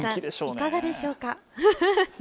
いかがでしょうか。